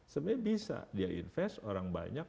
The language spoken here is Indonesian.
sebenarnya bisa dia invest orang banyak